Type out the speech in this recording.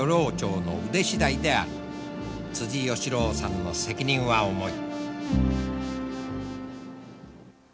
義郎さんの責任は重い。